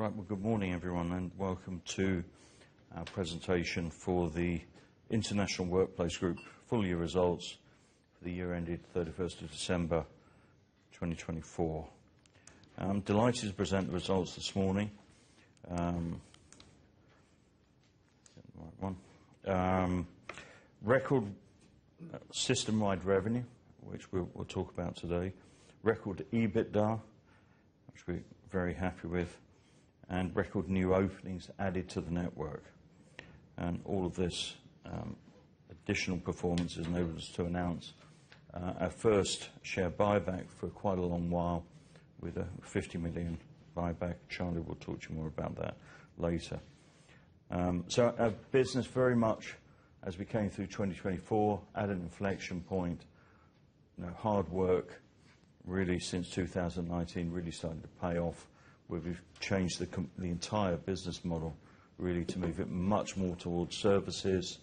Right, well, good morning, everyone, and welcome to our presentation for the International Workplace Group, full-year results for the year ending 31st of December 2024. I'm delighted to present the results this morning. Right. One. Record system-wide revenue, which we'll talk about today. Record EBITDA, which we're very happy with, and record new openings added to the network. And all of this, additional performances and evidence to announce our first share buyback for quite a long while with a 50 million buyback. Charlie will talk to you more about that later. So our business very much, as we came through 2024, at an inflection point. You know, hard work really since 2019 really started to pay off. We've changed the entire business model really to move it much more towards services,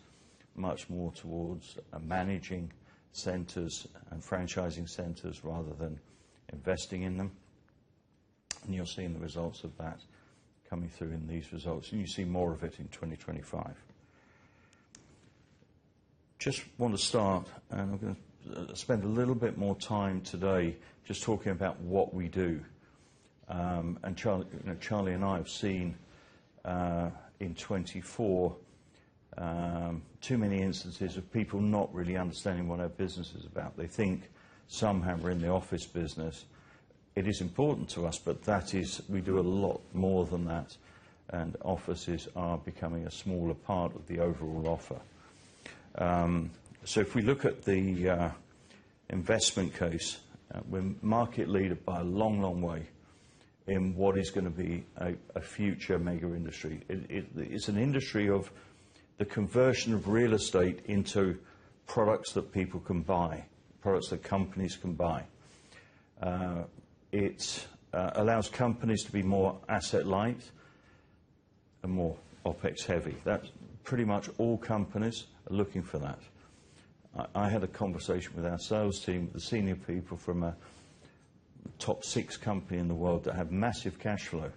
much more towards managing centers and franchising centers rather than investing in them. And you'll see the results of that coming through in these results, and you'll see more of it in 2025. Just wanna start, and I'm gonna spend a little bit more time today just talking about what we do. And Charlie, you know, Charlie and I have seen in 2024 too many instances of people not really understanding what our business is about. They think somehow really office business. It is important to us, but that is, we do a lot more than that, and offices are becoming a smaller part of the overall offer. So if we look at the investment case, we're market leader by a long, long way in what is gonna be a future mega industry. It, it's an industry of the conversion of real estate into products that people can buy, products that companies can buy. It allows companies to be more asset-light and more OpEx-heavy. That's pretty much all companies are looking for that. I had a conversation with our sales team, the senior people from a top six company in the world that have massive cash flow,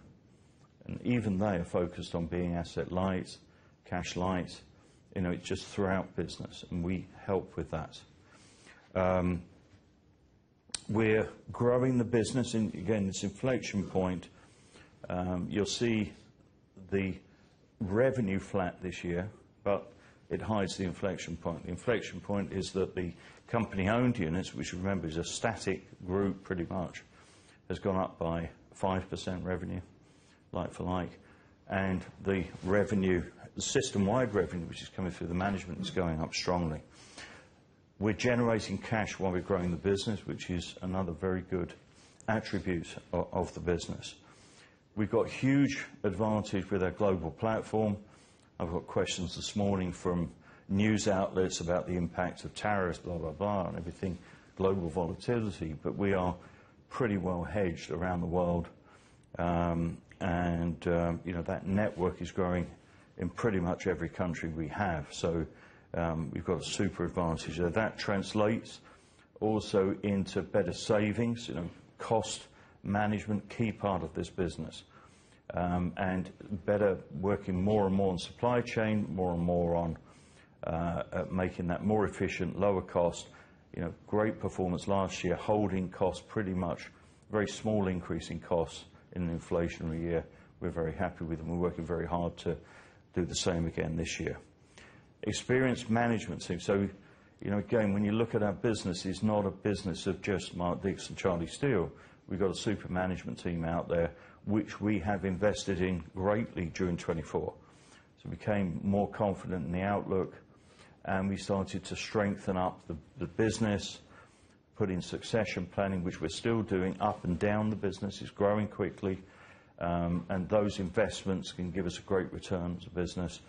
and even they are focused on being asset-light, cash-light, you know, just throughout business, and we help with that. We're growing the business, and again, it's inflection point. You'll see the revenue flat this year, but it hides the inflection point. The inflection point is that the company-owned units, which, remember, is a static group pretty much, has gone up by 5% revenue, like for like, and the revenue, the system-wide revenue, which is coming through the management, is going up strongly. We're generating cash while we're growing the business, which is another very good attribute of the business. We've got huge advantage with our global platform. I've got questions this morning from news outlets about the impact of tariffs, blah, blah, blah, and everything, global volatility, but we are pretty well hedged around the world, and you know, that network is growing in pretty much every country we have, so we've got a super advantage. Now, that translates also into better savings, you know, cost management, key part of this business, and better working more and more on supply chain, more and more on making that more efficient, lower cost, you know, great performance last year, holding costs pretty much, very small increase in costs in an inflationary year. We're very happy with them. We're working very hard to do the same again this year. Experienced management team, so you know, again, when you look at our business, it's not a business of just Mark Dixon, Charlie Steel. We've got a super management team out there, which we have invested in greatly during 2024. So we became more confident in the outlook, and we started to strengthen up the business, put in succession planning, which we're still doing, up and down the business. It's growing quickly, and those investments can give us a great return to business.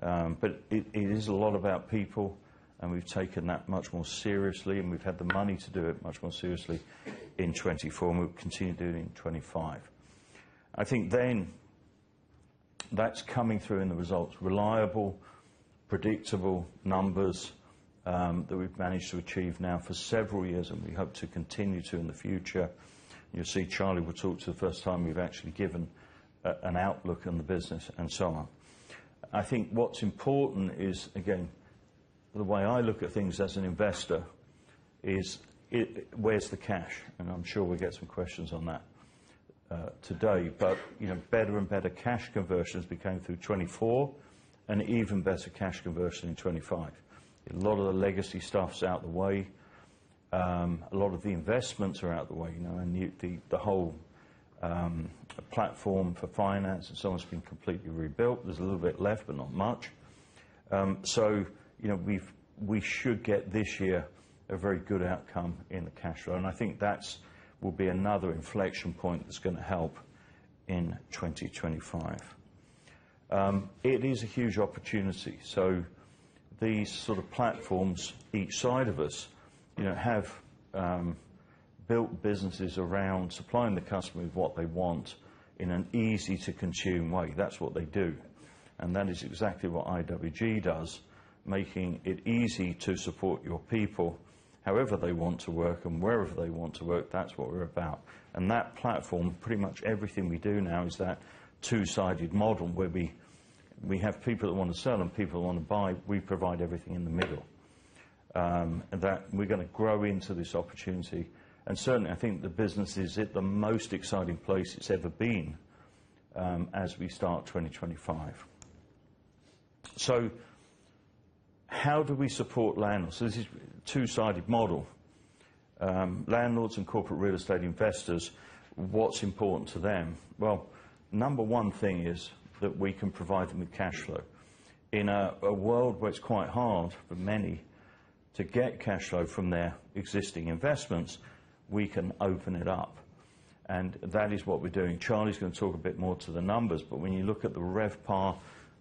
But it is a lot about people, and we've taken that much more seriously, and we've had the money to do it much more seriously in 2024, and we'll continue doing it in 2025. I think then that's coming through in the results, reliable, predictable numbers, that we've managed to achieve now for several years, and we hope to continue to in the future. You'll see Charlie will talk to the first time we've actually given an outlook on the business and so on. I think what's important is, again, the way I look at things as an investor is, where's the cash? And I'm sure we'll get some questions on that, today, but, you know, better and better cash conversions became through 2024, and even better cash conversion in 2025. A lot of the legacy stuff's out the way. A lot of the investments are out the way, you know, and the whole platform for finance and so on has been completely rebuilt. There's a little bit left, but not much, so you know, we should get this year a very good outcome in the cash flow, and I think that will be another inflection point that's gonna help in 2025, it is a huge opportunity. So these sort of platforms, each side of us, you know, have built businesses around supplying the customer with what they want in an easy-to-consume way. That's what they do, and that is exactly what IWG does, making it easy to support your people however they want to work and wherever they want to work. That's what we're about. And that platform, pretty much everything we do now is that two-sided model where we have people that wanna sell and people that wanna buy. We provide everything in the middle, and that we're gonna grow into this opportunity. And certainly, I think the business is at the most exciting place it's ever been, as we start 2025. So how do we support landlords? So this is a two-sided model. Landlords and corporate real estate investors, what's important to them? Well, the number one thing is that we can provide them with cash flow. In a world where it's quite hard for many to get cash flow from their existing investments, we can open it up, and that is what we're doing. Charlie is gonna talk a bit more to the numbers, but when you look at the RevPAR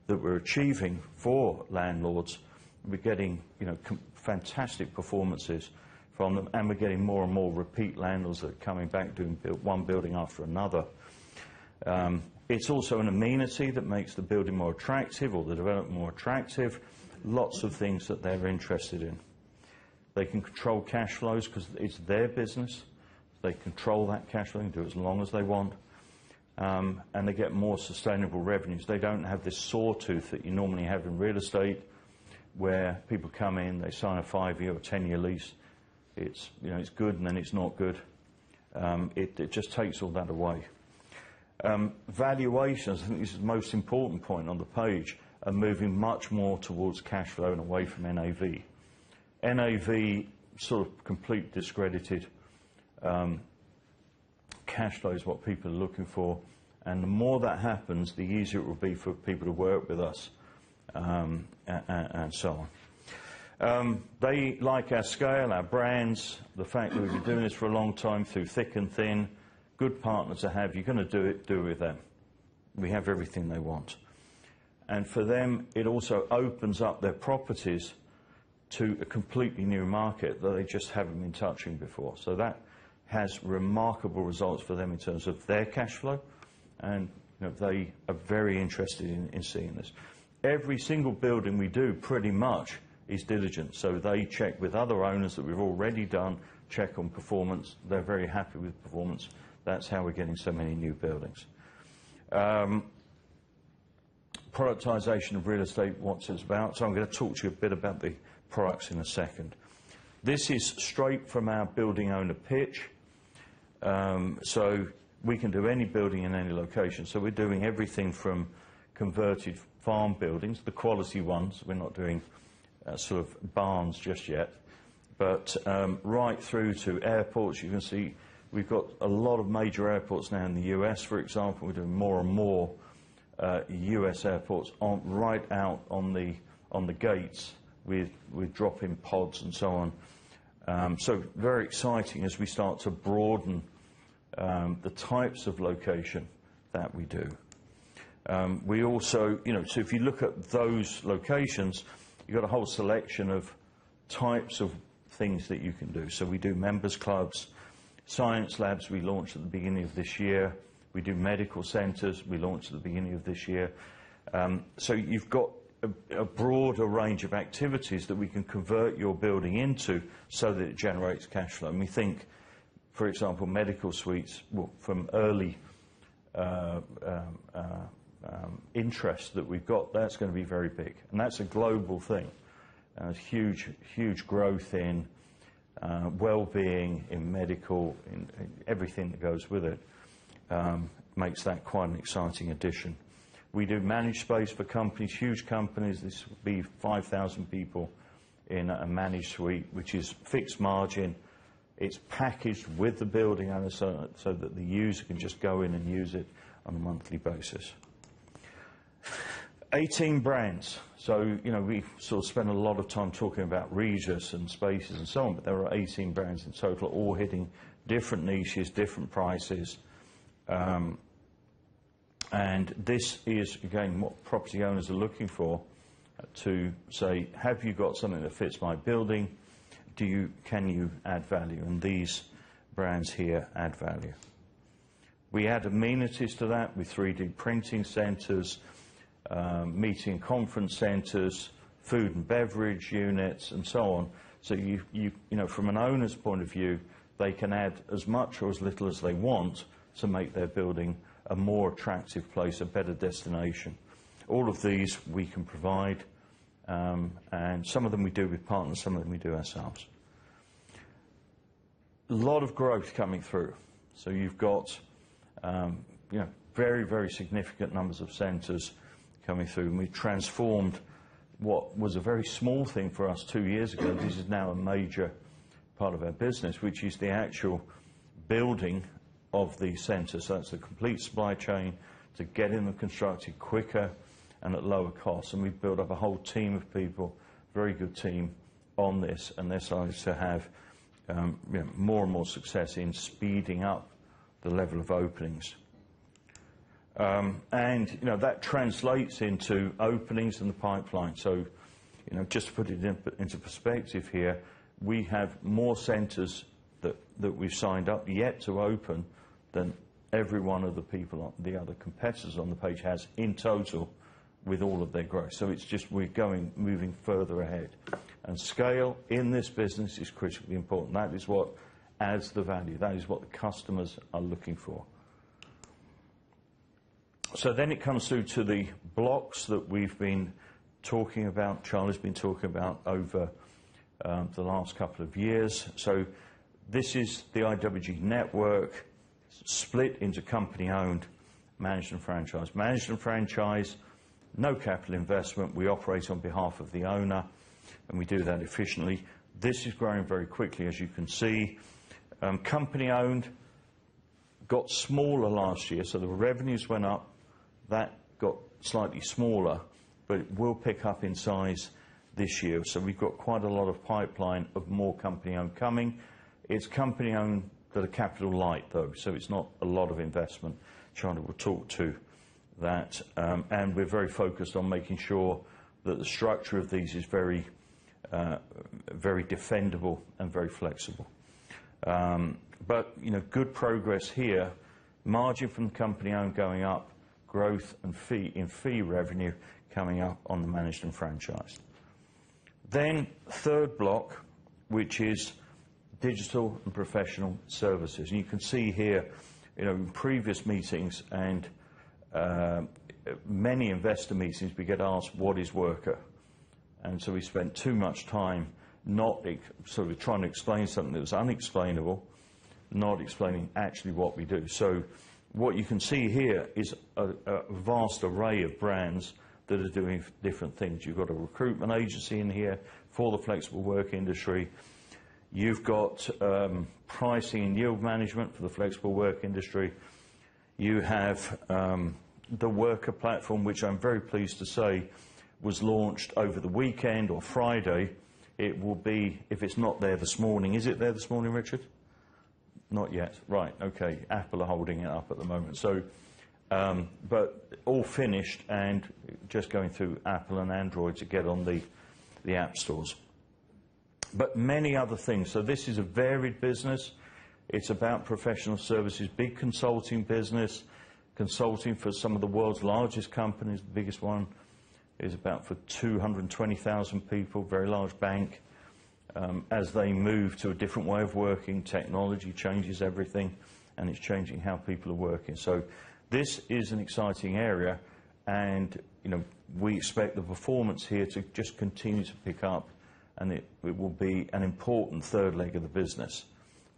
that we're achieving for landlords, we're getting, you know, commercially fantastic performances from them, and we're getting more and more repeat landlords that are coming back, building one building after another. It's also an amenity that makes the building more attractive or the development more attractive, lots of things that they're interested in. They can control cash flows 'cause it's their business. They control that cash flow and do it as long as they want, and they get more sustainable revenues. They don't have this sawtooth that you normally have in real estate where people come in, they sign a five-year or ten-year lease. It's, you know, it's good, and then it's not good. It just takes all that away. Valuations, I think this is the most important point on the page, are moving much more towards cash flow and away from NAV. NAV, sort of completely discredited, cash flow is what people are looking for, and the more that happens, the easier it will be for people to work with us, and so on. They like our scale, our brands, the fact that we've been doing this for a long time through thick and thin, good partner to have. You're gonna do it, do it with them. We have everything they want. And for them, it also opens up their properties to a completely new market that they just haven't been touching before. So that has remarkable results for them in terms of their cash flow, and, you know, they are very interested in seeing this. Every single building we do pretty much is diligent, so they check with other owners that we've already done, check on performance. They're very happy with the performance. That's how we're getting so many new buildings. Productization of real estate, what's it about? So I'm gonna talk to you a bit about the products in a second. This is straight from our building owner pitch. So we can do any building in any location. We're doing everything from converted farm buildings, the quality ones. We're not doing sort of barns just yet, but right through to airports. You can see we've got a lot of major airports now in the U.S., for example. We're doing more and more. U.S. airports aren't right out on the gates with drop-in pods and so on, so very exciting as we start to broaden the types of location that we do. We also, you know, so if you look at those locations, you've got a whole selection of types of things that you can do. So we do members' clubs, science labs we launched at the beginning of this year. We do medical centers we launched at the beginning of this year, so you've got a broader range of activities that we can convert your building into so that it generates cash flow, and we think, for example, medical suites. Well, from early interest that we've got, that's gonna be very big, and that's a global thing. Huge, huge growth in well-being in medical, in everything that goes with it makes that quite an exciting addition. We do managed space for companies, huge companies. This will be 5,000 people in a managed suite, which is fixed margin. It's packaged with the building and so that the user can just go in and use it on a monthly basis. 18 brands. So, you know, we sort of spent a lot of time talking about Regus and Spaces and so on, but there are 18 brands in total all hitting different niches, different prices. And this is, again, what property owners are looking for to say, "Have you got something that fits my building? Do you can you add value?" And these brands here add value. We add amenities to that with 3D printing centers, meeting and conference centers, food and beverage units, and so on. So you know, from an owner's point of view, they can add as much or as little as they want to make their building a more attractive place, a better destination. All of these we can provide, and some of them we do with partners, some of them we do ourselves. A lot of growth coming through. You've got, you know, very, very significant numbers of centers coming through, and we've transformed what was a very small thing for us two years ago. This is now a major part of our business, which is the actual building of the center. That's the complete supply chain to get in and constructed quicker and at lower cost. And we've built up a whole team of people, very good team on this, and they're starting to have, you know, more and more success in speeding up the level of openings. And, you know, that translates into openings in the pipeline. So, you know, just to put it into perspective here, we have more centers that we've signed up yet to open than every one of the people on the other competitors on the page has in total with all of their growth. So it's just we're moving further ahead. And scale in this business is critically important. That is what adds the value. That is what the customers are looking for. So then it comes through to the blocks that we've been talking about, Charlie's been talking about over the last couple of years. So this is the IWG network split into company-owned, managed, and franchised. Managed and franchised, no capital investment. We operate on behalf of the owner, and we do that efficiently. This is growing very quickly, as you can see. Company-owned got smaller last year, so the revenues went up. That got slightly smaller, but it will pick up in size this year. So we've got quite a lot of pipeline of more company-owned coming. It's company-owned that are capital-light, though, so it's not a lot of investment. Charlie will talk to that, and we're very focused on making sure that the structure of these is very, very defendable and very flexible. But, you know, good progress here, margin from company-owned going up, growth and fee and fee revenue coming up on the managed and franchised. Then third block, which is digital and professional services. You can see here, you know, in previous meetings and many investor meetings, we get asked, "What is Worka?" We spent too much time not exactly sort of trying to explain something that was unexplainable, not explaining actually what we do. What you can see here is a vast array of brands that are doing different things. You've got a recruitment agency in here for the flexible work industry. You've got pricing and yield management for the flexible work industry. You have the Worka platform, which I'm very pleased to say was launched over the weekend or Friday. It will be if it's not there this morning. Is it there this morning, Richard? Not yet. Right. Okay. Apple are holding it up at the moment. But all finished and just going through Apple and Android to get on the app stores. But many other things. So this is a varied business. It's about professional services, big consulting business, consulting for some of the world's largest companies. The biggest one is about for 220,000 people, very large bank. As they move to a different way of working, technology changes everything, and it's changing how people are working. So this is an exciting area, and, you know, we expect the performance here to just continue to pick up, and it will be an important third leg of the business.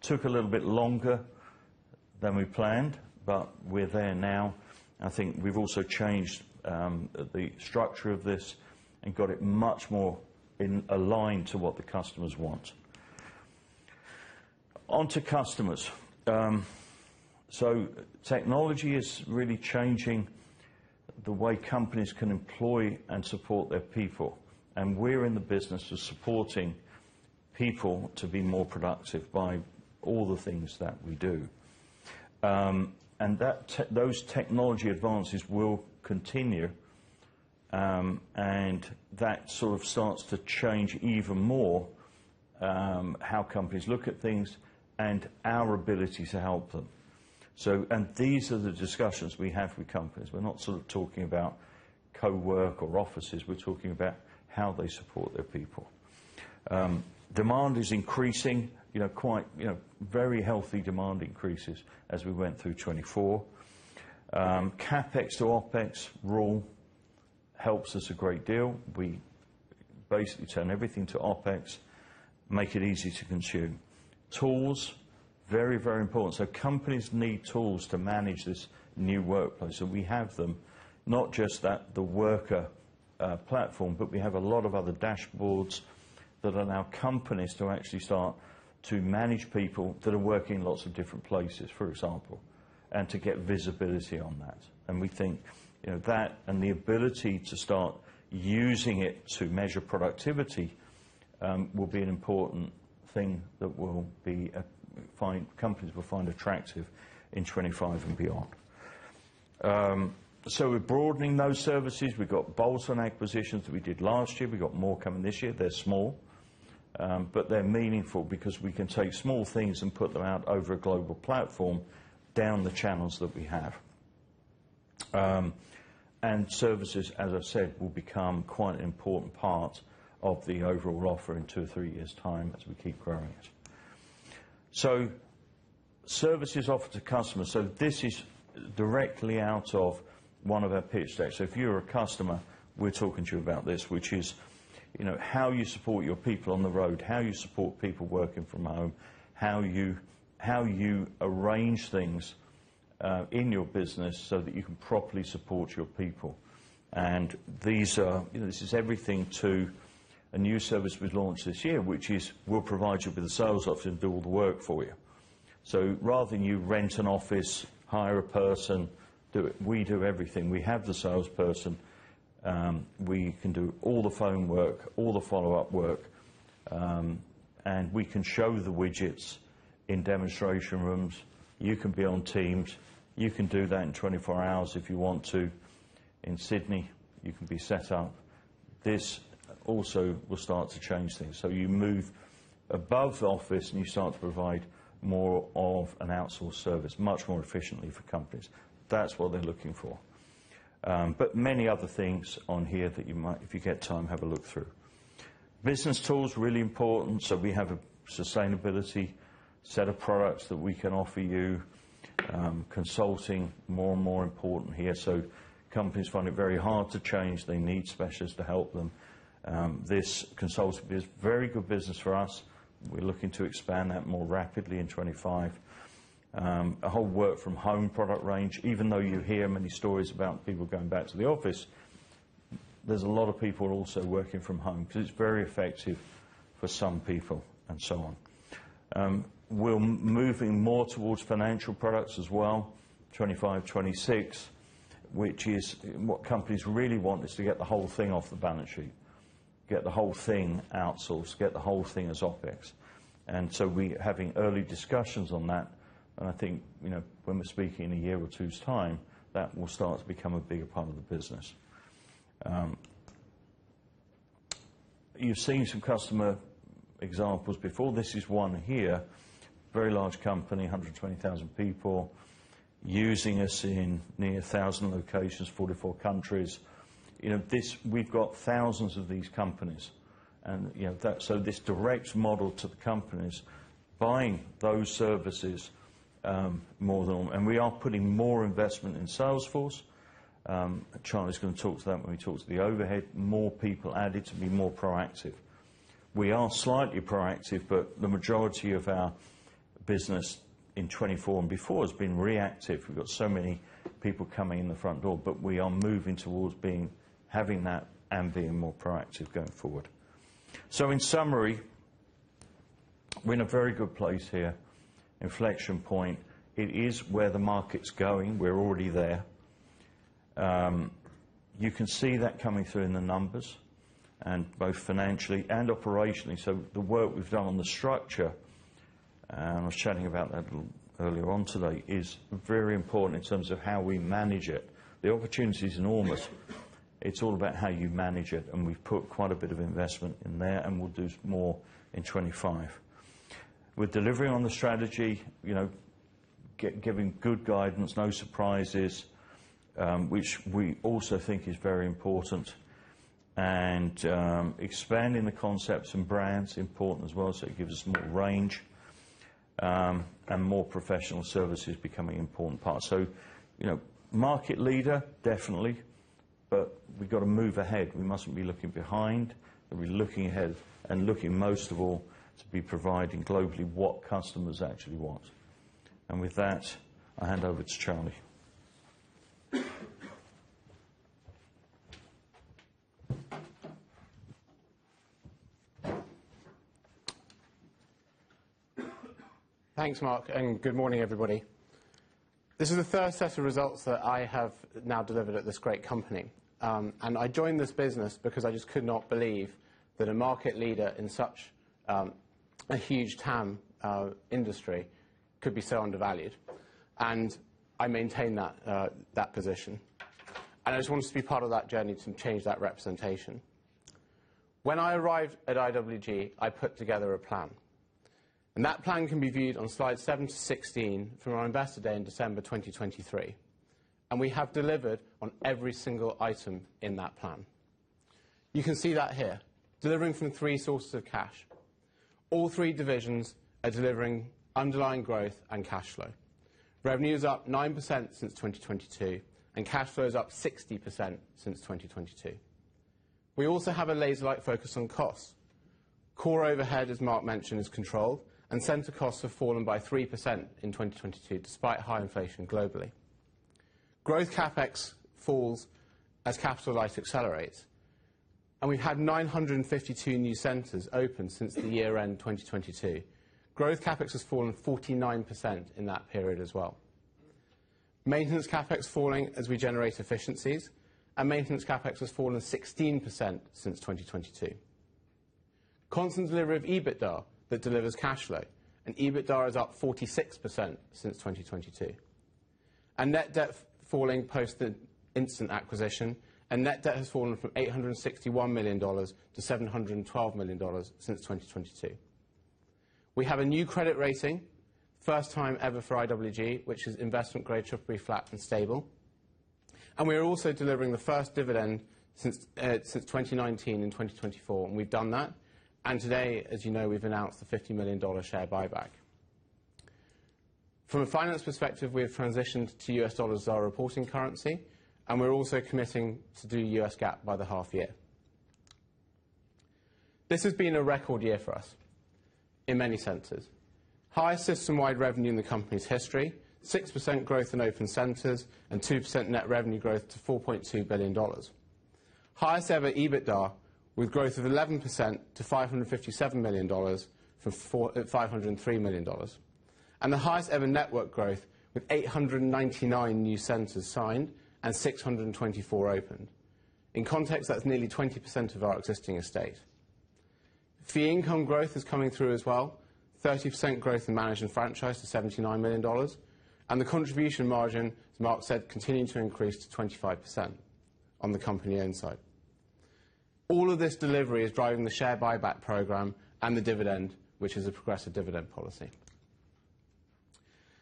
Took a little bit longer than we planned, but we're there now. I think we've also changed the structure of this and got it much more aligned to what the customers want. Onto customers. So technology is really changing the way companies can employ and support their people, and we're in the business of supporting people to be more productive by all the things that we do. And that those technology advances will continue, and that sort of starts to change even more, how companies look at things and our ability to help them. These are the discussions we have with companies. We're not sort of talking about coworking or offices. We're talking about how they support their people. Demand is increasing, you know, quite, you know, very healthy demand increases as we went through 2024. CapEx to OpEx rule helps us a great deal. We basically turn everything to OpEx, make it easy to consume. Tools, very, very important. So companies need tools to manage this new workplace. So we have them, not just at the Worka platform, but we have a lot of other dashboards that allow companies to actually start to manage people that are working in lots of different places, for example, and to get visibility on that. And we think, you know, that and the ability to start using it to measure productivity will be an important thing that companies will find attractive in 2025 and beyond, so we're broadening those services. We've got bolt-on acquisitions that we did last year. We got more coming this year. They're small, but they're meaningful because we can take small things and put them out over a global platform down the channels that we have, and services, as I've said, will become quite an important part of the overall offer in two or three years' time as we keep growing it. Services offered to customers. This is directly out of one of our pitch decks. If you're a customer, we're talking to you about this, which is, you know, how you support your people on the road, how you support people working from home, how you arrange things in your business so that you can properly support your people. These are, you know, this is everything to a new service we launched this year, which is we'll provide you with a sales office and do all the work for you. Rather than you rent an office, hire a person, do it, we do everything. We have the salesperson. We can do all the phone work, all the follow-up work, and we can show the widgets in demonstration rooms. You can be on Teams. You can do that in 24 hours if you want to. In Sydney, you can be set up. This also will start to change things. So you move above the office, and you start to provide more of an outsourced service much more efficiently for companies. That's what they're looking for, but many other things on here that you might, if you get time, have a look through. Business tools, really important. So we have a sustainability set of products that we can offer you. Consulting, more and more important here. So companies find it very hard to change. They need specialists to help them. This consulting is very good business for us. We're looking to expand that more rapidly in 2025. A whole work-from-home product range. Even though you hear many stories about people going back to the office, there's a lot of people also working from home because it's very effective for some people and so on. We're moving more towards financial products as well, 2025, 2026, which is what companies really want is to get the whole thing off the balance sheet, get the whole thing outsourced, get the whole thing as OpEx. And so we're having early discussions on that, and I think, you know, when we're speaking in a year or two's time, that will start to become a bigger part of the business. You've seen some customer examples before. This is one here, very large company, 120,000 people using us in near 1,000 locations, 44 countries. You know, this we've got thousands of these companies, and, you know, that so this direct model to the companies buying those services, more than and we are putting more investment in sales force. Charlie's gonna talk to that when we talk to the overhead, more people added to be more proactive. We are slightly proactive, but the majority of our business in 2024 and before has been reactive. We've got so many people coming in the front door, but we are moving towards being having that and being more proactive going forward. So in summary, we're in a very good place here. Inflection point. It is where the market's going. We're already there. You can see that coming through in the numbers and both financially and operationally. So the work we've done on the structure, and I was chatting about that a little earlier on today, is very important in terms of how we manage it. The opportunity's enormous. It's all about how you manage it, and we've put quite a bit of investment in there, and we'll do more in 2025. We're delivering on the strategy, you know, giving good guidance, no surprises, which we also think is very important. Expanding the concepts and brands, important as well. So it gives us more range, and more professional services becoming an important part. So, you know, market leader, definitely, but we've got to move ahead. We mustn't be looking behind. We're looking ahead and looking most of all to be providing globally what customers actually want. And with that, I hand over to Charlie. Thanks, Mark, and good morning, everybody. This is the first set of results that I have now delivered at this great company. And I joined this business because I just could not believe that a market leader in such a huge TAM industry could be so undervalued. And I maintain that, that position. And I just wanted to be part of that journey to change that representation. When I arrived at IWG, I put together a plan. That plan can be viewed on slides 7 to slide 16 from our Investor Day in December 2023. We have delivered on every single item in that plan. You can see that here, delivering from three sources of cash. All three divisions are delivering underlying growth and cash flow. Revenue is up 9% since 2022, and cash flow is up 60% since 2022. We also have a laser-like focus on costs. Core overhead, as Mark mentioned, is controlled, and center costs have fallen by 3% in 2022 despite high inflation globally. Growth CapEx falls as capital light accelerates. We have had 952 new centers open since the year-end 2022. Growth CapEx has fallen 49% in that period as well. Maintenance CapEx falling as we generate efficiencies, and maintenance CapEx has fallen 16% since 2022. Constant delivery of EBITDA that delivers cash flow. EBITDA is up 46% since 2022. Net debt falling post the Instant acquisition. Net debt has fallen from $861 million to $712 million since 2022. We have a new credit rating, first time ever for IWG, which is investment-grade, trouble-free, flat and stable. We are also delivering the first dividend since 2019 in 2024, and we've done that. Today, as you know, we've announced the $50 million share buyback. From a finance perspective, we have transitioned to U.S. dollars as our reporting currency, and we're also committing to do U.S. GAAP by the half year. This has been a record year for us in many senses. Highest system-wide revenue in the company's history, 6% growth in open centers and 2% net revenue growth to $4.2 billion. Highest ever EBITDA with growth of 11% to $557 million from $503 million. And the highest ever network growth with 899 new centers signed and 624 opened. In context, that's nearly 20% of our existing estate. Fee income growth is coming through as well, 30% growth in managed and franchise to $79 million. And the contribution margin, as Mark said, continuing to increase to 25% on the company-owned side. All of this delivery is driving the share buyback program and the dividend, which is a progressive dividend policy.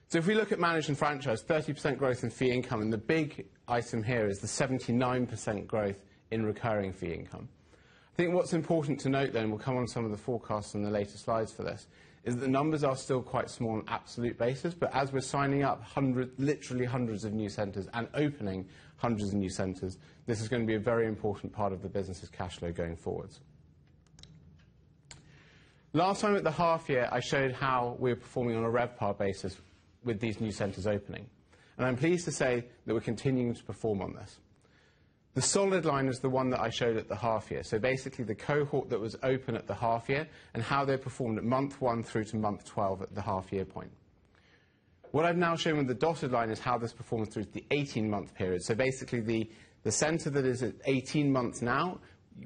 So if we look at managed and franchise, 30% growth in fee income, and the big item here is the 79% growth in recurring fee income. I think what's important to note then, and we'll come on to some of the forecasts on the later slides for this, is that the numbers are still quite small on absolute basis, but as we're signing up hundreds, literally hundreds of new centers and opening hundreds of new centers, this is gonna be a very important part of the business's cash flow going forward. Last time at the half-year, I showed how we were performing on a RevPAR basis with these new centers opening, and I'm pleased to say that we're continuing to perform on this. The solid line is the one that I showed at the half-year, so basically, the cohort that was open at the half-year and how they performed at month one through to month 12 at the half-year point. What I've now shown with the dotted line is how this performs through the 18-month period. So basically, the center that is at 18 months now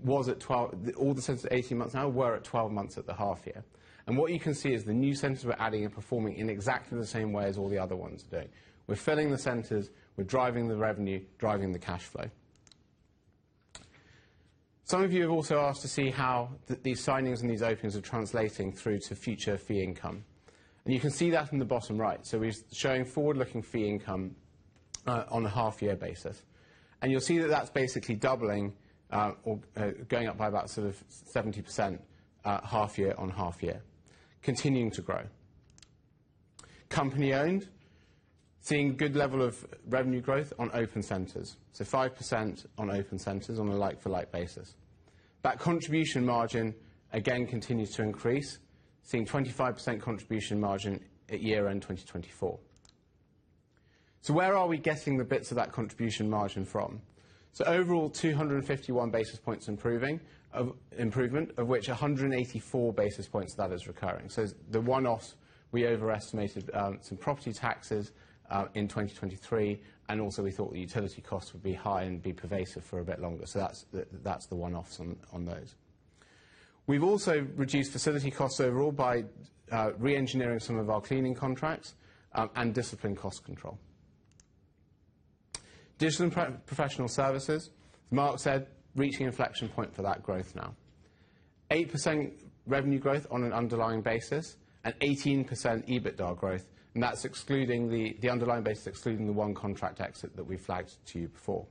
was at 12, the older centers at 18 months now were at 12 months at the half year. And what you can see is the new centers we're adding and performing in exactly the same way as all the other ones do. We're filling the centers. We're driving the revenue, driving the cash flow. Some of you have also asked to see how that these signings and these openings are translating through to future fee income. And you can see that in the bottom right. So we're showing forward-looking fee income, on a half-year basis. And you'll see that that's basically doubling, or, going up by about sort of 70%, half year on half year, continuing to grow. Company-owned, seeing good level of revenue growth on open centers. 5% on open centers on a like-for-like basis. That contribution margin, again, continues to increase, seeing 25% contribution margin at year-end 2024. Where are we getting the bits of that contribution margin from? Overall, 251 basis points improving, of improvement, of which 184 basis points that is recurring. The one-offs, we overestimated some property taxes in 2023, and also we thought the utility costs would be high and be pervasive for a bit longer. That's, that's the one-offs on, on those. We've also reduced facility costs overall by re-engineering some of our cleaning contracts, and discipline cost control. Digital and pro-professional services, Mark said, reaching inflection point for that growth now. 8% revenue growth on an underlying basis and 18% EBITDA growth. That's excluding the underlying basis, excluding the one contract exit that we flagged to you before.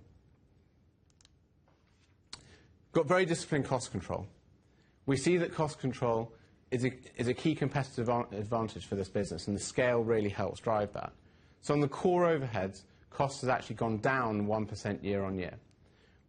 Got very disciplined cost control. We see that cost control is a key competitive advantage for this business, and the scale really helps drive that. So on the core overheads, cost has actually gone down 1% year on year.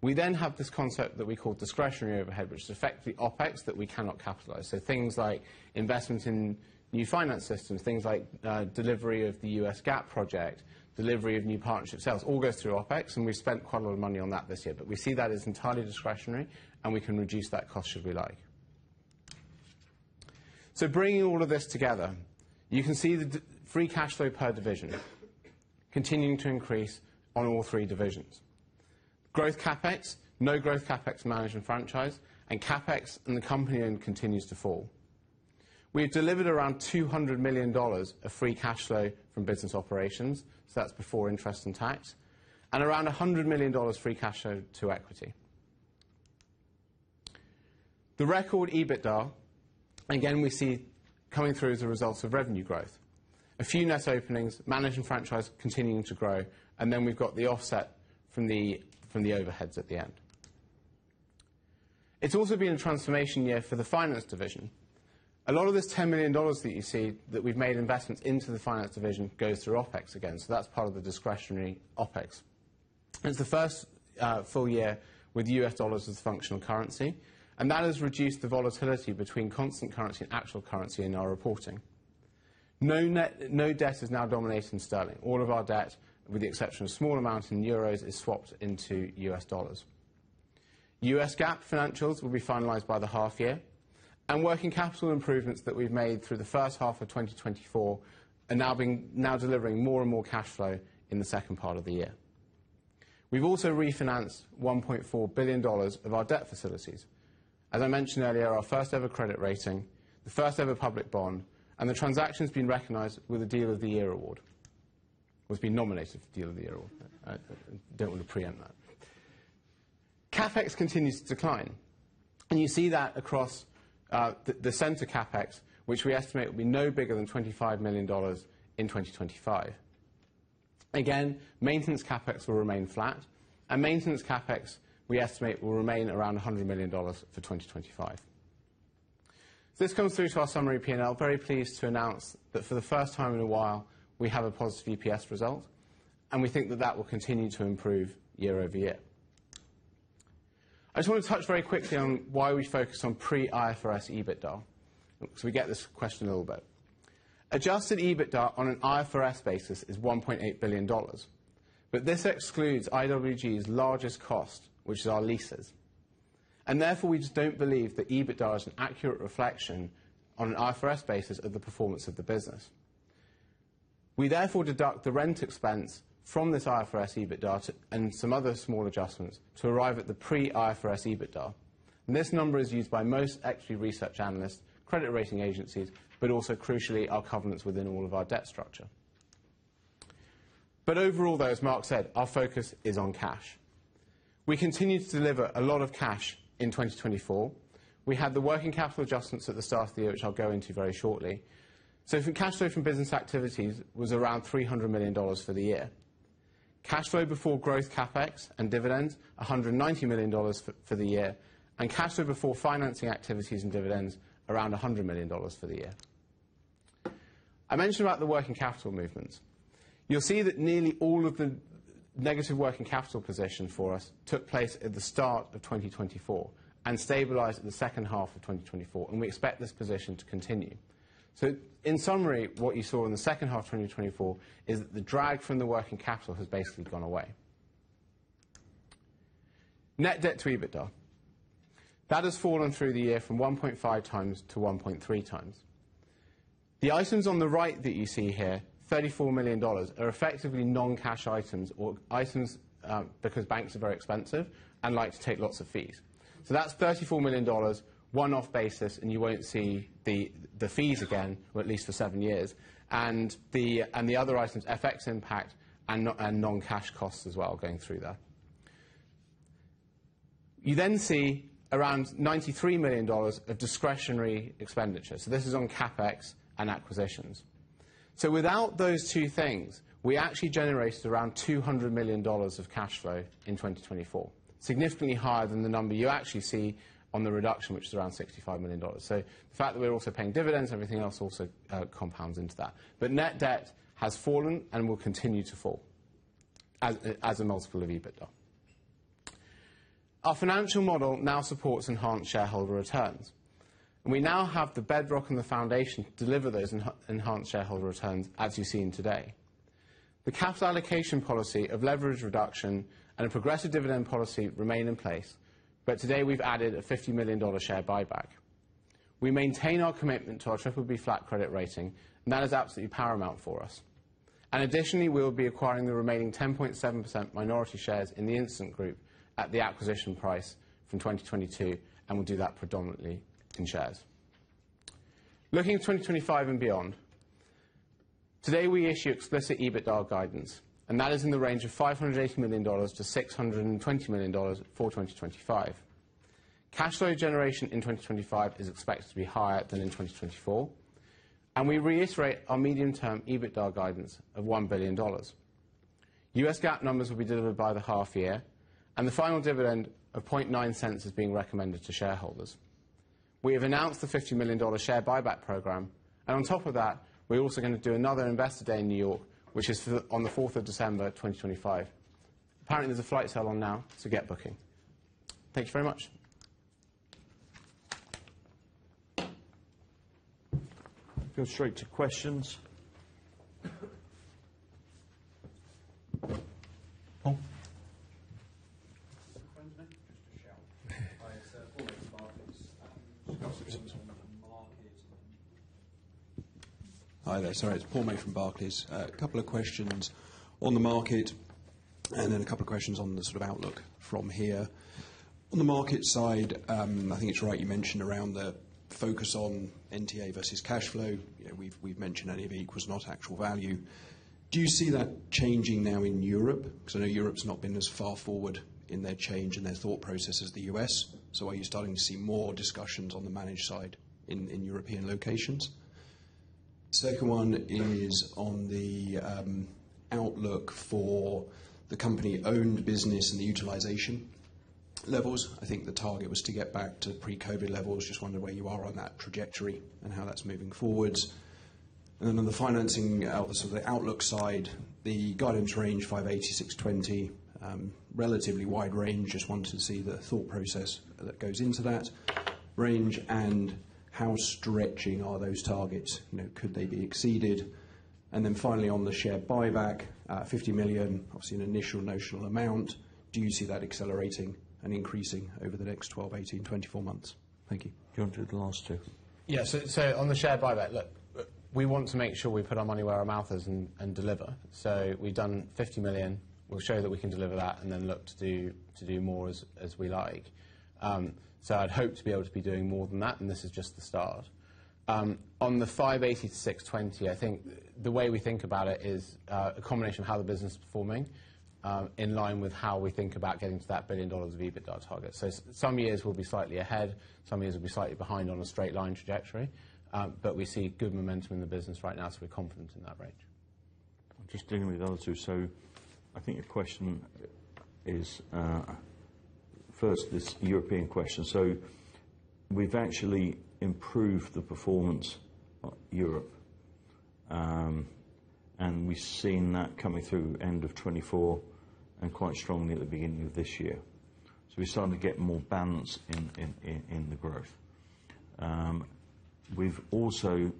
We then have this concept that we call discretionary overhead, which is effectively OpEx that we cannot capitalize. So things like investment in new finance systems, things like delivery of the U.S. GAAP project, delivery of new partnership sales, all goes through OpEx, and we've spent quite a lot of money on that this year. But we see that as entirely discretionary, and we can reduce that cost should we like. So bringing all of this together, you can see the free cash flow per division continuing to increase on all three divisions. Growth CapEx, no growth CapEx managed and franchise, and CapEx and the company-owned continues to fall. We have delivered around $200 million of free cash flow from business operations. So that's before interest and tax, and around $100 million free cash flow to equity. The record EBITDA, again, we see coming through as a result of revenue growth. A few net openings, managed and franchise continuing to grow, and then we've got the offset from the overheads at the end. It's also been a transformation year for the finance division. A lot of this $10 million that you see that we've made investments into the finance division goes through OpEx again. So that's part of the discretionary OpEx. It's the first full year with U.S. dollars as the functional currency, and that has reduced the volatility between constant currency and actual currency in our reporting. Net debt is now denominated in sterling. All of our debt, with the exception of small amounts in euros, is swapped into U.S. dollars. U.S. GAAP financials will be finalized by the half year, and working capital improvements that we've made through the first half of 2024 are now delivering more and more cash flow in the second part of the year. We've also refinanced $1.4 billion of our debt facilities. As I mentioned earlier, our first-ever credit rating, the first-ever public bond, and the transaction's been recognized with a Deal of the Year award. It's been nominated for Deal of the Year award. I don't wanna preempt that. CapEx continues to decline, and you see that across the center CapEx, which we estimate will be no bigger than $25 million in 2025. Again, maintenance CapEx will remain flat, and maintenance CapEx we estimate will remain around $100 million for 2025. This comes through to our summary P&L. Very pleased to announce that for the first time in a while, we have a positive EPS result, and we think that that will continue to improve year-over-year. I just wanna touch very quickly on why we focus on pre-IFRS EBITDA, so we get this question a little bit. Adjusted EBITDA on an IFRS basis is $1.8 billion, but this excludes IWG's largest cost, which is our leases. And therefore, we just don't believe that EBITDA is an accurate reflection on an IFRS basis of the performance of the business. We therefore deduct the rent expense from this IFRS EBITDA to and some other small adjustments to arrive at the pre-IFRS EBITDA, and this number is used by most equity research analysts, credit rating agencies, but also, crucially, our covenants within all of our debt structure, but overall, though, as Mark said, our focus is on cash. We continue to deliver a lot of cash in 2024. We had the working capital adjustments at the start of the year, which I'll go into very shortly, so if cash flow from business activities was around $300 million for the year, cash flow before growth CapEx and dividends, $190 million for the year, and cash flow before financing activities and dividends, around $100 million for the year. I mentioned about the working capital movements. You'll see that nearly all of the negative working capital position for us took place at the start of 2024 and stabilized in the second half of 2024, and we expect this position to continue, so in summary, what you saw in the second half of 2024 is that the drag from the working capital has basically gone away. Net debt to EBITDA, that has fallen through the year from 1.5x to 1.3x. The items on the right that you see here, $34 million, are effectively non-cash items or items, because banks are very expensive and like to take lots of fees. So that's $34 million one-off basis, and you won't see the fees again, or at least for seven years, and the other items, FX impact and non-cash costs as well going through there. You then see around $93 million of discretionary expenditure. So this is on CapEx and acquisitions. So without those two things, we actually generated around $200 million of cash flow in 2024, significantly higher than the number you actually see on the reduction, which is around $65 million. So the fact that we're also paying dividends, everything else also, compounds into that. But net debt has fallen and will continue to fall as a multiple of EBITDA. Our financial model now supports enhanced shareholder returns, and we now have the bedrock and the foundation to deliver those enhanced shareholder returns as you've seen today. The capital allocation policy of leverage reduction and a progressive dividend policy remain in place, but today we've added a $50 million share buyback. We maintain our commitment to our BBB flat credit rating, and that is absolutely paramount for us. Additionally, we'll be acquiring the remaining 10.7% minority shares in The Instant Group at the acquisition price from 2022, and we'll do that predominantly in shares. Looking to 2025 and beyond, today we issue explicit EBITDA guidance, and that is in the range of $580 million-$620 million for 2025. Cash flow generation in 2025 is expected to be higher than in 2024, and we reiterate our medium-term EBITDA guidance of $1 billion. U.S. GAAP numbers will be delivered by the half year, and the final dividend of $0.009 is being recommended to shareholders. We have announced the $50 million share buyback program, and on top of that, we're also gonna do another investor day in New York, which is on the 4th of December, 2025. Apparently, there's a flight sale on now, so get booking. Thank you very much. Go straight to questions. Hi there. Sorry. It's Paul May from Barclays. Couple of questions on the market and then a couple of questions on the sort of outlook from here. On the market side, I think it's right you mentioned around the focus on NTA versus cash flow. You know, we've mentioned NAV equals not actual value. Do you see that changing now in Europe? 'Cause I know Europe's not been as far forward in their change and their thought process as the U.S. So are you starting to see more discussions on the managed side in European locations? Second one is on the outlook for the company-owned business and the utilization levels. I think the target was to get back to pre-COVID levels. Just wonder where you are on that trajectory and how that's moving forwards. And then on the financing, so the outlook side, the guidance range 580-620, relatively wide range. Just wanted to see the thought process that goes into that range and how stretching are those targets. You know, could they be exceeded? And then finally, on the share buyback, $50 million, obviously an initial notional amount. Do you see that accelerating and increasing over the next 12, 18, 24 months? Thank you. Go on to the last two. Yeah. So on the share buyback, look, we want to make sure we put our money where our mouth is and deliver. So we've done $50 million. We'll show that we can deliver that and then look to do more as we like. So I'd hope to be able to be doing more than that, and this is just the start. On the 580 to 620, I think the way we think about it is a combination of how the business is performing, in line with how we think about getting to that billion dollars of EBITDA target. Some years we'll be slightly ahead. Some years we'll be slightly behind on a straight-line trajectory. But we see good momentum in the business right now, so we're confident in that range. Just dealing with the other two. I think your question is, first, this European question. We've actually improved the performance of Europe, and we've seen that coming through end of 2024 and quite strongly at the beginning of this year. We're starting to get more balance in the growth. We've also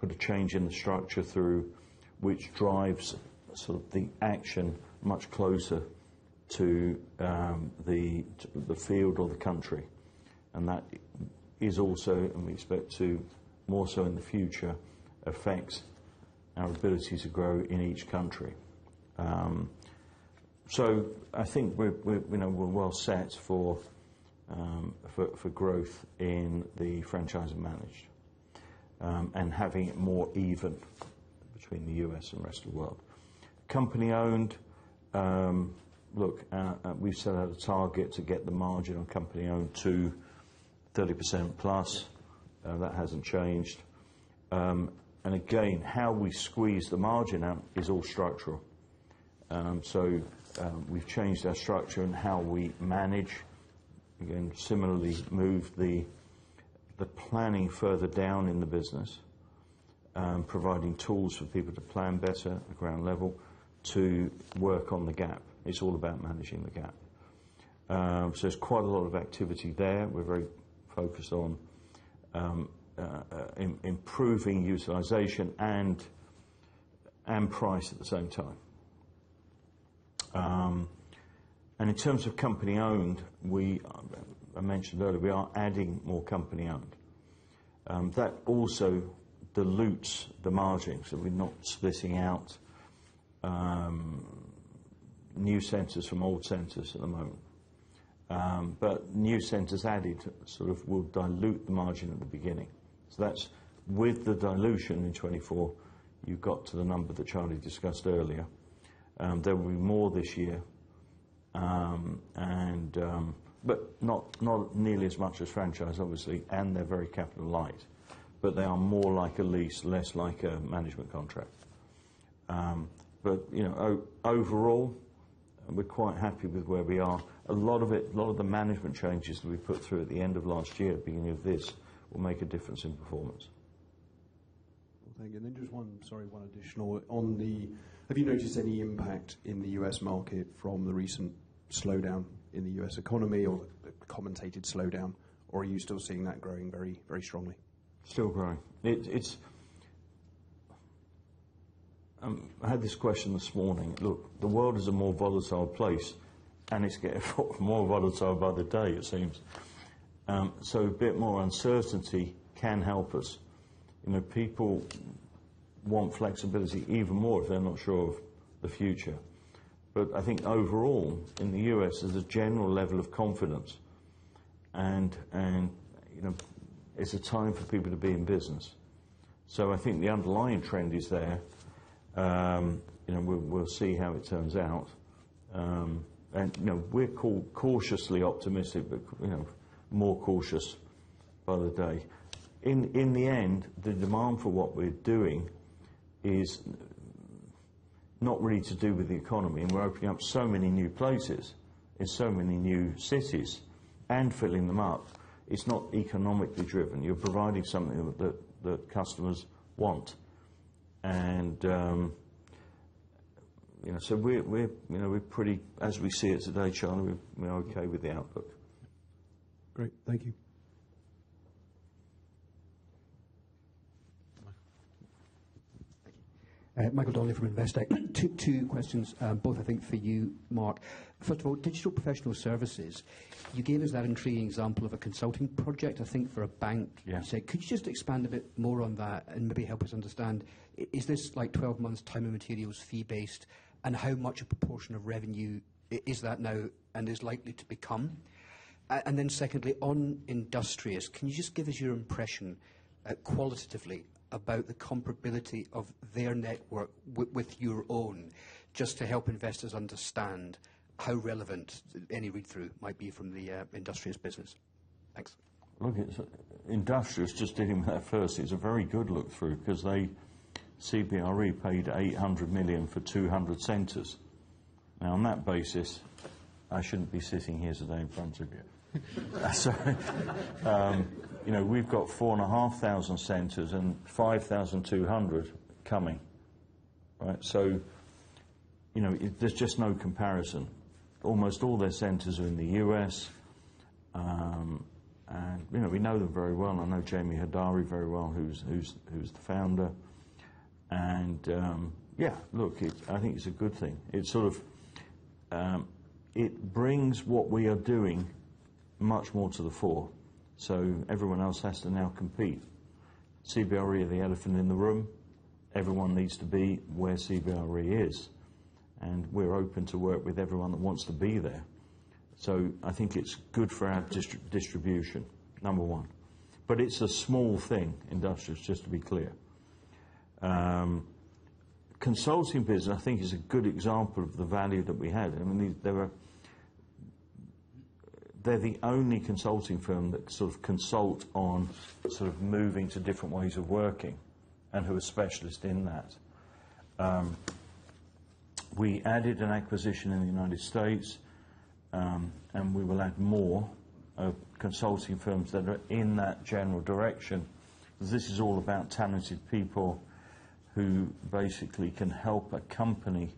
put a change in the structure through which drives sort of the action much closer to the field or the country, and that is also, and we expect to more so in the future, affects our ability to grow in each country. I think we're, you know, well set for growth in the franchised and managed, and having it more even between the U.S. and rest of the world. Company-owned, look, we've set out a target to get the margin on company-owned to 30%+. That hasn't changed. Again, how we squeeze the margin out is all structural. We've changed our structure and how we manage. Again, similarly, moved the planning further down in the business, providing tools for people to plan better at ground level to work on the gap. It's all about managing the gap. So there's quite a lot of activity there. We're very focused on improving utilization and price at the same time. And in terms of company-owned, as I mentioned earlier, we are adding more company-owned. That also dilutes the margin. So we're not splitting out new centers from old centers at the moment. But new centers added sort of will dilute the margin at the beginning. So that's with the dilution in 2024. You've got to the number that Charlie discussed earlier. There will be more this year, and but not nearly as much as franchise, obviously, and they're very capital-light, but they are more like a lease, less like a management contract. But you know, overall, we're quite happy with where we are. A lot of it, a lot of the management changes that we put through at the end of last year, beginning of this, will make a difference in performance. Well, thank you. And then just one, sorry, one additional [question]: Have you noticed any impact in the U.S. market from the recent slowdown in the U.S. economy or the contemplated slowdown, or are you still seeing that growing very, very strongly? Still growing. It's. I had this question this morning. Look, the world is a more volatile place, and it's getting more volatile by the day, it seems. So a bit more uncertainty can help us. You know, people want flexibility even more if they're not sure of the future. But I think overall, in the U.S., there's a general level of confidence, and, you know, it's a time for people to be in business. So I think the underlying trend is there. You know, we'll see how it turns out. And you know, we're cautiously optimistic, but you know, more cautious by the day. In the end, the demand for what we're doing is not really to do with the economy, and we're opening up so many new places in so many new cities and filling them up. It's not economically driven. You're providing something that customers want. You know, so we're pretty as we see it today, Charlie. We're okay with the outlook. Great. Thank you. Michael Donnelly from Investec. Two questions, both, I think, for you, Mark. First of all, digital professional services. You gave us that intriguing example of a consulting project, I think, for a bank. Yeah. You said, could you just expand a bit more on that and maybe help us understand, is this like 12 months time and materials fee-based, and how much a proportion of revenue is that now and is likely to become? and then secondly, on Industrious, can you just give us your impression, qualitatively about the comparability of their network with your own, just to help investors understand how relevant any read-through might be from the Industrious business? Thanks. Look, it's Industrious, just dealing with that first, is a very good look-through 'cause that CBRE paid $800 million for 200 centers. Now, on that basis, I shouldn't be sitting here today in front of you. So, you know, we've got 4,500 centers and 5,200 coming, right? So, you know, there's just no comparison. Almost all their centers are in the U.S. And, you know, we know them very well. I know Jamie Hodari very well, who's the founder. And, yeah, look, it, I think, it's a good thing. It sort of brings what we are doing much more to the fore. So everyone else has to now compete. CBRE are the elephant in the room. Everyone needs to be where CBRE is, and we're open to work with everyone that wants to be there. So I think it's good for our distribution, number one. But it's a small thing, Industrious, just to be clear. Consulting business, I think, is a good example of the value that we had. I mean, they're the only consulting firm that sort of consult on sort of moving to different ways of working and who are specialists in that. We added an acquisition in the United States, and we will add more of consulting firms that are in that general direction. This is all about talented people who basically can help a company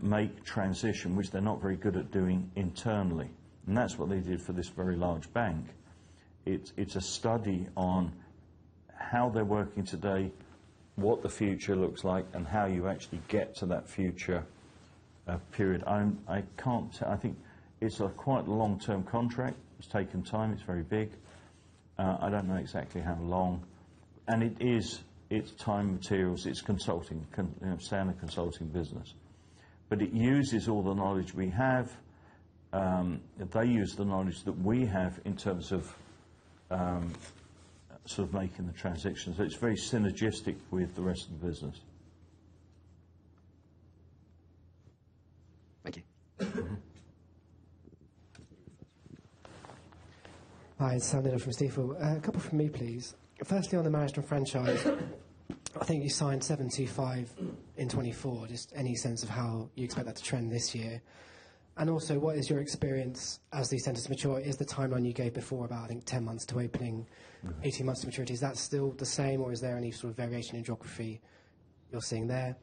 make transition, which they're not very good at doing internally. And that's what they did for this very large bank. It's a study on how they're working today, what the future looks like, and how you actually get to that future, period. I can't tell. I think it's a quite long-term contract. It's taken time. It's very big. I don't know exactly how long. And it is it's time materials. It's consulting, con you know, standard consulting business. But it uses all the knowledge we have. They use the knowledge that we have in terms of, sort of making the transitions. It's very synergistic with the rest of the business. Thank you. Hi, it's Sam Dindol from Stifel. A couple from me, please. Firstly, on the management franchise, I think you signed 725 in 2024. Just any sense of how you expect that to trend this year? And also, what is your experience as these centers mature? Is the timeline you gave before about, I think, 10 months to opening, 18 months to maturity? Is that still the same, or is there any sort of variation in geography you're seeing there?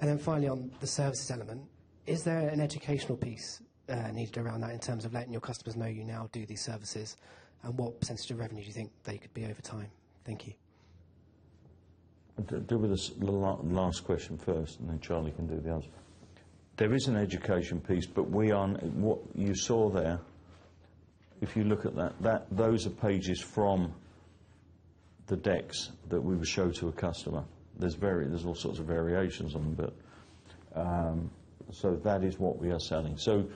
And then finally, on the services element, is there an educational piece needed around that in terms of letting your customers know you now do these services? And what percentage of revenue do you think they could be over time? Thank you. Do with this little last question first, and then Charlie can do the other. There is an education piece, but we are what you saw there. If you look at that, those are pages from the decks that we would show to a customer. There's very all sorts of variations on them, but so that is what we are selling. So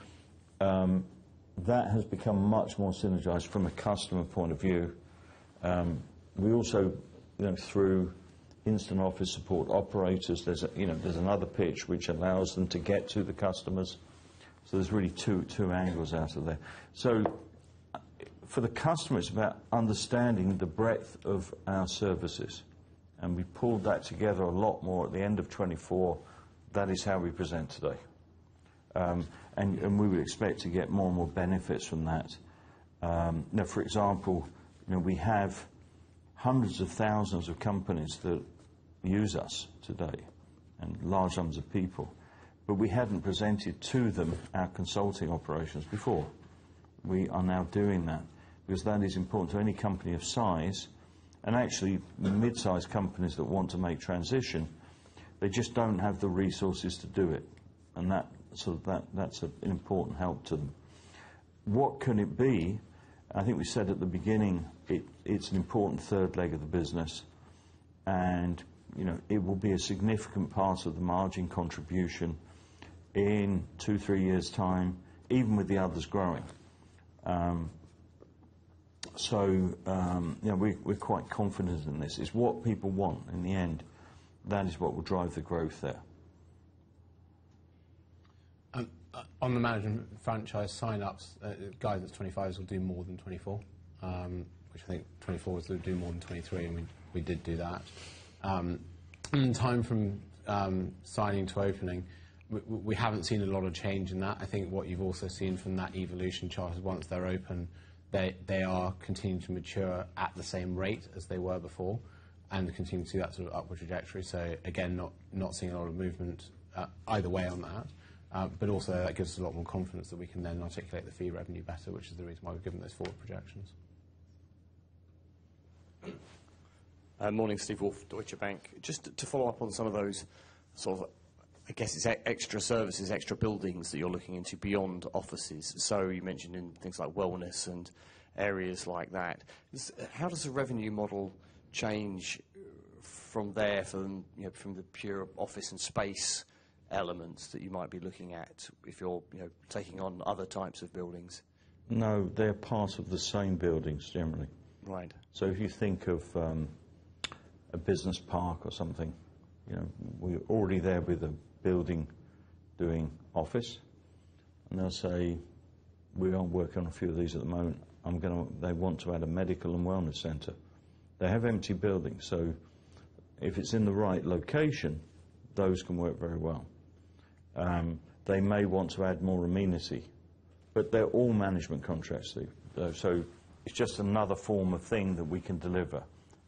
that has become much more synergized from a customer point of view. We also, you know, through Instant Office support operators, there's a you know, there's another pitch which allows them to get to the customers. So there's really two angles out of there. So for the customer, it's about understanding the breadth of our services. And we pulled that together a lot more at the end of 2024. That is how we present today. And we would expect to get more and more benefits from that. Now, for example, you know, we have hundreds of thousands of companies that use us today and large numbers of people, but we hadn't presented to them our consulting operations before. We are now doing that because that is important to any company of size and actually, midsize companies that want to make transition, they just don't have the resources to do it and that sort of that, that's an important help to them. What can it be? I think we said at the beginning, it's an important third leg of the business and, you know, it will be a significant part of the margin contribution in two, three years' time, even with the others growing so, you know, we're quite confident in this. It's what people want in the end. That is what will drive the growth there. On the management franchise sign-ups, guidance 2025s will do more than 2024, which I think 2024s will do more than 2023. We did do that. In time from signing to opening, we haven't seen a lot of change in that. I think what you've also seen from that evolution chart is once they're open, they are continuing to mature at the same rate as they were before and continue to that sort of upward trajectory. Again, not seeing a lot of movement, either way on that, but also that gives us a lot more confidence that we can then articulate the fee revenue better, which is the reason why we've given those forward projections. Morning, Steve Woolf, Deutsche Bank. Just to follow up on some of those sort of, I guess, it's extra services, extra buildings that you're looking into beyond offices. So you mentioned in things like wellness and areas like that. How does the revenue model change from there, you know, from the pure office and space elements that you might be looking at if you're, you know, taking on other types of buildings? No, they're part of the same buildings generally. Right. So if you think of a business park or something, you know, we're already there with a building doing office. And they'll say, "We aren't working on a few of these at the moment. They want to add a medical and wellness center." They have empty buildings. So if it's in the right location, those can work very well. They may want to add more amenity, but they're all management contracts, Steve. So it's just another form of thing that we can deliver.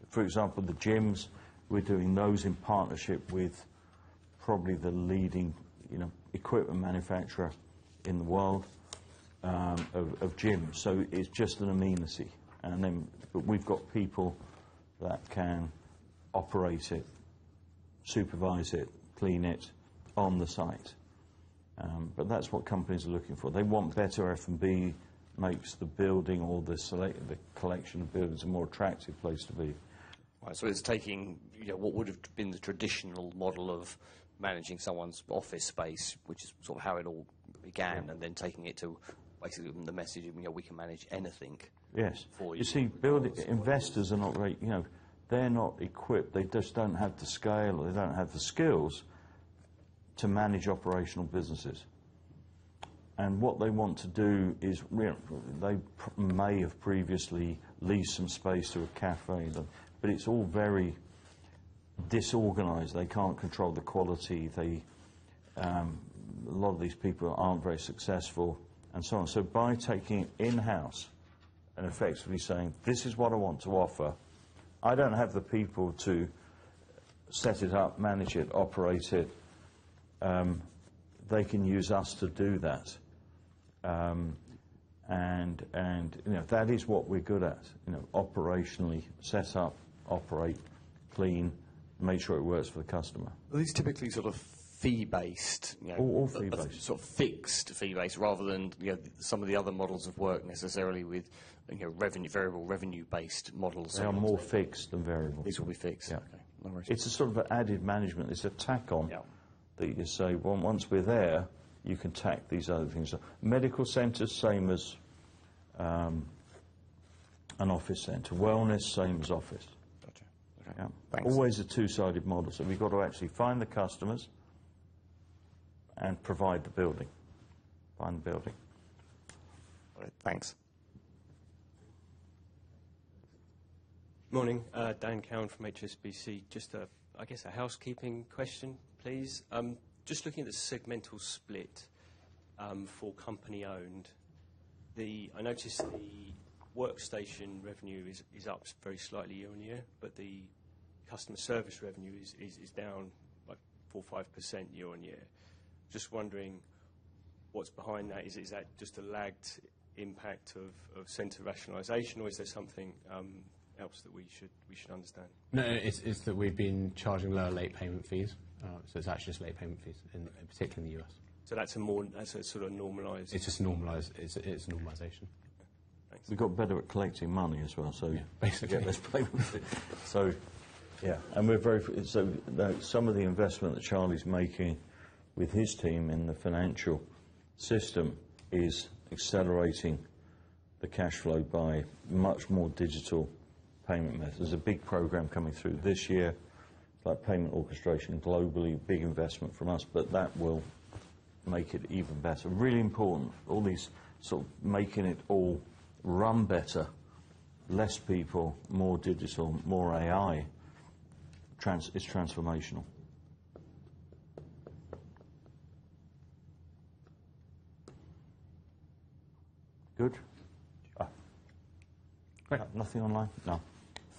For example, the gyms. We're doing those in partnership with probably the leading, you know, equipment manufacturer in the world, of gyms, so it's just an amenity, and then we've got people that can operate it, supervise it, clean it on the site, but that's what companies are looking for. They want better F&B, makes the building or the selected collection of buildings a more attractive place to be. Right, so it's taking, you know, what would have been the traditional model of managing someone's office space, which is sort of how it all began, and then taking it to basically the message of, you know, we can manage anything. Yes, for you. You see, building investors are not very, you know, equipped. They just don't have the scale, or they don't have the skills to manage operational businesses. And what they want to do is, you know, they may have previously leased some space to a café and done. But it's all very disorganized. They can't control the quality. They, a lot of these people aren't very successful. And so on. So by taking it in-house and effectively saying, "This is what I want to offer. I don't have the people to set it up, manage it, operate it," they can use us to do that. And, you know, that is what we're good at, you know, operationally set up, operate, clean, make sure it works for the customer. These typically sort of fee-based, you know. All fee-based. Sort of fixed fee-based rather than, you know, some of the other models have worked necessarily with, you know, revenue variable, revenue-based models. They are more fixed than variable. These will be fixed. Yeah. Okay. No worries. It's a sort of added management. It's a tack-on. Yeah. That you say, "Well, once we're there, you can tack these other things." Medical centers, same as an office center. Wellness, same as office. Gotcha. Okay. Yeah. Thanks. Always a two-sided model. So we've got to actually find the customers and provide the building. Find the building. All right. Thanks. Morning. Dan Cowan from HSBC. Just a, I guess, a housekeeping question, please. Just looking at the segmental split, for company-owned, I noticed the workstation revenue is up very slightly year on year, but the customer service revenue is down like 4%-5% year on year. Just wondering what's behind that. Is it just a lagged impact of center rationalization, or is there something else that we should understand? No, it's that we've been charging lower late payment fees. So it's actually just late payment fees in particular in the U.S. So that's more normalized. It's just normalized. It's a normalization. Thanks. We got better at collecting money as well, so. Yeah. Basically. Yeah. Let's play with it. So yeah. And we're very so now some of the investment that Charlie's making with his team in the financial system is accelerating the cash flow by much more digital payment methods. There's a big program coming through this year, like payment orchestration globally, big investment from us, but that will make it even better. Really important, all these sort of making it all run better, less people, more digital, more AI, this is transformational. Good? Nothing online? Yeah.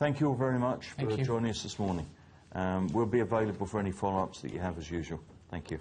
Thank you all very much for joining us this morning. Thank you. We'll be available for any follow-ups that you have as usual. Thank you.